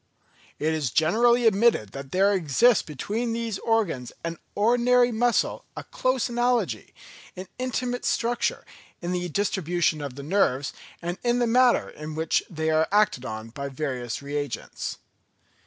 It is generally admitted that there exists between these organs and ordinary muscle a close analogy, in intimate structure, in the distribution of the nerves, and in the manner in which they are acted on by various reagents.